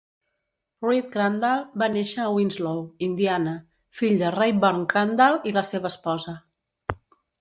Reed Crandall va néixer a Winslow, Indiana, fill de Rayburn Crandall i la seva esposa.